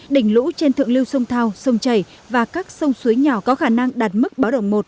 đỉnh lũ trên thượng lưu sông thao sông chảy và các sông suối nhỏ có khả năng đạt mức báo động một